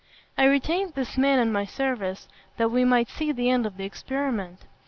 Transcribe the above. I retained this man in my service, that we might see the end of the experiment.